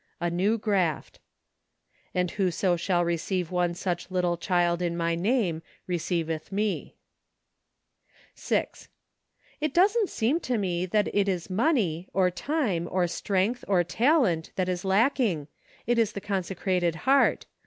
A New Graft " And whoso shall receive one such little child in my name, recciveth me." MARCH. 29 6. It doesn't seem to me that it is money, or time, or strength, or talent, that is lacking, it is the consecrated heart.